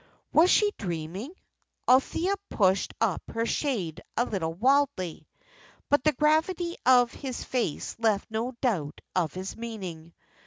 Was she dreaming? Althea pushed up her shade a little wildly. But the gravity of his face left no doubt of his meaning.